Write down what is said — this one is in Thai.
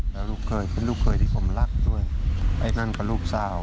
แล้วลูกเคยเป็นลูกเคยที่ผมรักด้วยไอ้นั่นก็ลูกสาว